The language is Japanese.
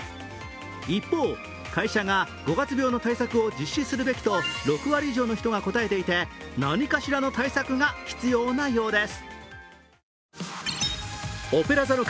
一方、会社が五月病の対策を実施するべきと６割以上の人が答えていて、何かしらの対策が必要なようです。